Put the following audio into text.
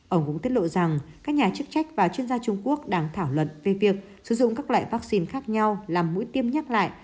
ông cũng tiết lộ rằng các nhà chức trách và chuyên gia trung quốc đang thảo luận về việc sử dụng các loại vaccine khác nhau làm mũi tiêm nhắc lại